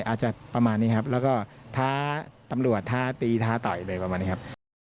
อาจจะประมาณนี้ครับแล้วก็ท้าตำรวจท้าตีท้าต่อยเลยประมาณนี้ครับ